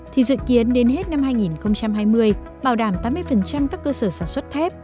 thì dự kiến đến hết năm hai nghìn hai mươi bảo đảm tám mươi các cơ sở sản xuất thép